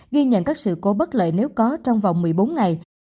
ghi nhận các sự cố bất lợi nếu có trong vòng một mươi bốn ngày